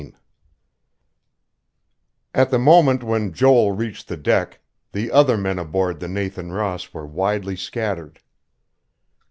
XVI At the moment when Joel reached the deck, the other men aboard the Nathan Ross were widely scattered.